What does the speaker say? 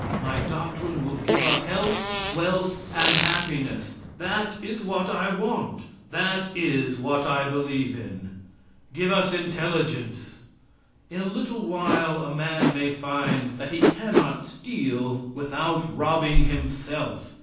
My doctrine will give us health, wealth, and happiness. That is what I want. That is what I believe in. Give us intelligence. In a little while a man may find that he cannot steal without robbing himself.